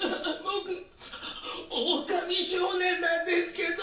僕オオカミ少年なんですけど。